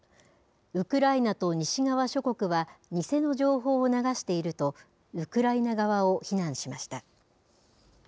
ウクライナと西側諸国は偽の情報を流していると、ウクライナ側を非難しました。